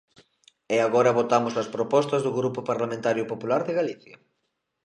E agora votamos as propostas do Grupo Parlamentario Popular de Galicia.